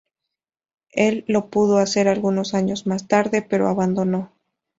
El lo pudo hacer algunos años más tarde, pero abandonó.